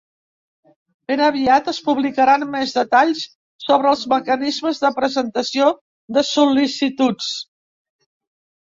Ben aviat es publicaran més detalls sobre els mecanismes de presentació de sol·licituds.